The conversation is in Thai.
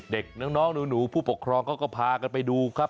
เด็กน้องหนูผู้ปกครองเขาก็พากันไปดูครับ